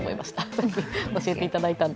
さっき教えていただいたので。